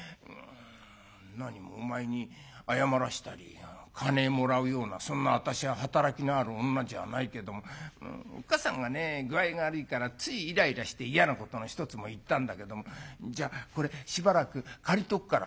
「なにもお前に謝らしたり金もらうようなそんな私は働きのある女じゃないけどもおっかさんがね具合が悪いからついイライラして嫌なことの一つも言ったんだけどもじゃこれしばらく借りとくから」。